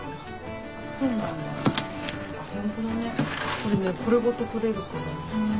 これねこれごととれるから。